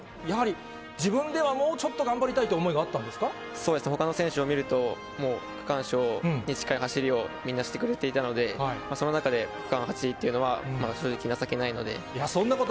やはり自分ではもうちょっと頑張りたいという思いがあったんですそうですね、ほかの選手を見ると、もう区間賞に近い走りをみんなしてくれていたので、その中で、区間８位というのは正直、情けないので。